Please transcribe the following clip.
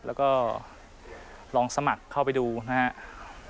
แล้วก็ลองสมัครเข้าไปดูนะครับ